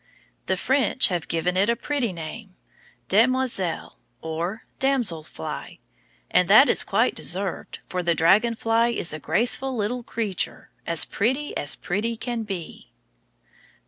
The French have given it a pretty name, demoiselle, or damsel fly, and that is quite deserved, for the dragon fly is a graceful little creature, as pretty as pretty can be.